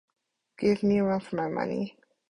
Give me a run for my money.